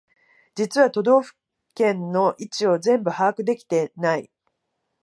実は都道府県の位置を全部把握できてない